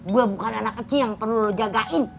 gue bukan anak kecil yang perlu lo jagain